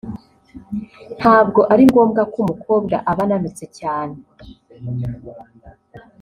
ntabwo ari ngombwa ko umukobwa aba ananutse cyane